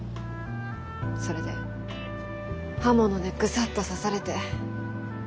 それで刃物でグサッと刺されて。